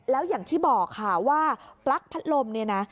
แล้วอย่างที่บอกค่ะว่าปลั๊กพัดลมเนี่ยนะ